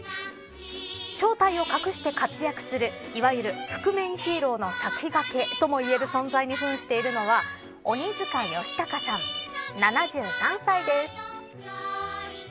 正体を隠して活躍するいわゆる覆面ヒーローの先駆けともいえる存在にふんしているのは鬼塚吉隆さん７３歳です。